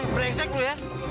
brengsek lu ya